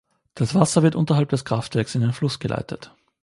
Das Wasser wird unterhalb des Kraftwerks in den Fluss geleitet.